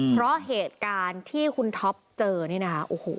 เพราะเหตุการณ์ที่คุณท็อปเจอนี่นะ